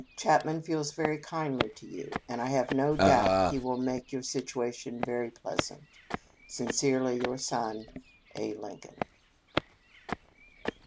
Chapman feels very kindly to you ; and I have no doubt he will make your situation very pleasant. " Sincerely your son, "A. Lincoln."